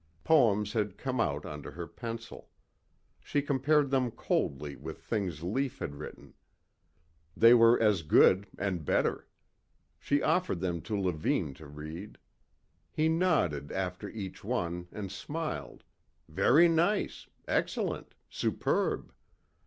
Poems had come out under her pencil. She compared them coldly with things Lief had written. They were as good and better. She offered them to Levine to read. He nodded after each one and smiled, "Very nice. Excellent. Superb."